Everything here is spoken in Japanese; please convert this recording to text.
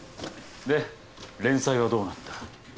で連載はどうなった？